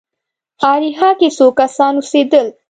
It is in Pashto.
اریحا کې څو سوه کسان اوسېدل.